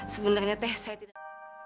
sebenarnya teh saya tidak